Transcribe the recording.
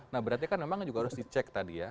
nah berarti kan memang juga harus dicek tadi ya